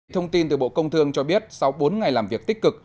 thông tin từ bộ công thương cho biết sau bốn ngày làm việc tích cực